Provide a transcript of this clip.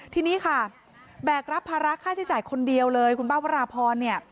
ทีนี้ค่ะแบกรับภาระค่าใช้จ่ายคนเดียวเลยคุณป้าวราพรเนี่ย